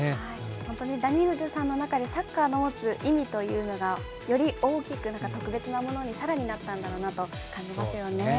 本当にダニールさんの中でサッカーの持つ意味というのがより大きく、特別なものにさらになったんだろうなと感じますよね。